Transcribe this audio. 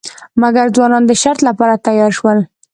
مګر ځوانان د شرط لپاره تیار شول.